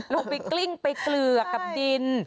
ลงไปกลิ้งไปเกลือกับดิน